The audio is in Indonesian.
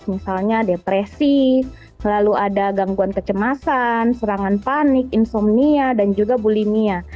misalnya depresi lalu ada gangguan kecemasan serangan panik insomnia dan juga bulimia